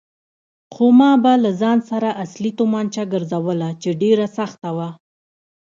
خو ما به له ځان سره اصلي تومانچه ګرځوله چې ډېره سخته وه.